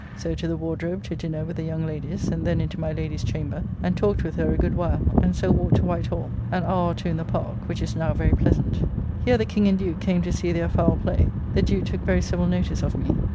So to the Wardrobe to dinner with the young Ladies, and then into my Lady's chamber and talked with her a good while, and so walked to White Hall, an hour or two in the Park, which is now very pleasant. Here the King and Duke came to see their fowl play. The Duke took very civil notice of me.